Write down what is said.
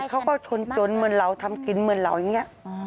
เขาก็ชนจนเหมือนเราทำกินเหมือนเราอย่างนี้